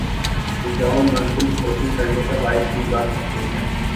الجھاؤ منزل کھوٹی کرنے کا باعث بھی بن سکتا ہے۔